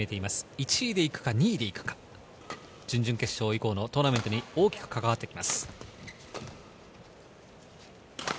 １位で行くか２位で行くか、準々決勝以降のトーナメントに大きく関わってきます。